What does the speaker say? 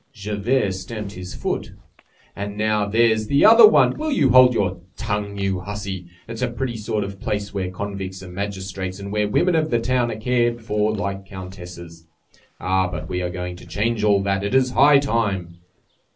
Javert stamped his foot. "And now there's the other one! Will you hold your tongue, you hussy? It's a pretty sort of a place where convicts are magistrates, and where women of the town are cared for like countesses! Ah! But we are going to change all that; it is high time!"